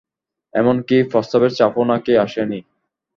এমনকি প্রস্রাবের চাপও নাকি আসে নি।